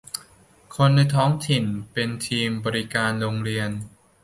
ที่คนในท้องถิ่นเป็นทีมบริการโรงเรียน